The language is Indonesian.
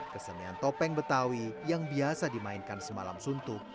kesenian topeng betawi yang biasa dimainkan semalam suntuh